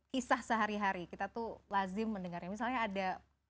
kisah sehari hari kita tuh lazim mendengarnya misalnya ada